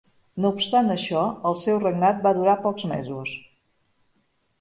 No obstant això, el seu regnat va durar pocs mesos.